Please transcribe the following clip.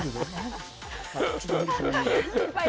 ちょっと無理しないように。